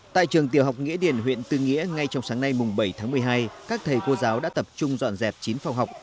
tại trường tiểu học nghĩa điển huyện tư nghĩa ngay trong sáng nay bảy tháng một mươi hai các thầy cô giáo đã tập trung dọn dẹp chín phòng học